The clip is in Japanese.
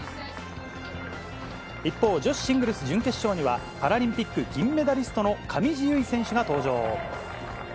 一方、女子シングルス準決勝には、パラリンピック銀メダリストの上地結衣選手が登場。